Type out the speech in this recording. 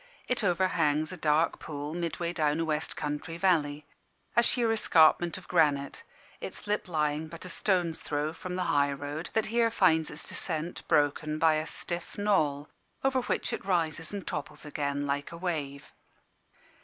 It overhangs a dark pool, midway down a west country valley a sheer escarpment of granite, its lip lying but a stone's throw from the high road, that here finds its descent broken by a stiff knoll, over which it rises and topples again like a wave.